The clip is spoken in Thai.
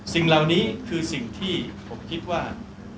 สิ่งเหล่านี้คือสิ่งที่ผมคิดว่า